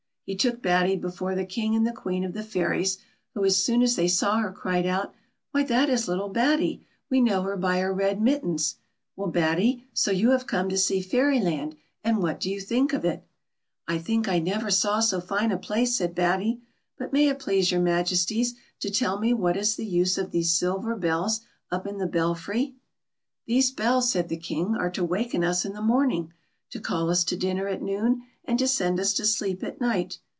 He took Batty before the King and the Queen of the Fairies, who, as soon as they saw her, cried out, " Why, that is little Batty. We know her by her red mittens. Well, Batty, so you have come to see Fairyland ; and what do you think of it .'*" "I think I never saw so fine a place," said Batty; "but may it please your Majesties to tell me what is the use of these silver bells up in the belfry .'*"" These bells," said the King, " are to waken us in the morning ; to call us to dinner at noon ; and to send us to sleep at night.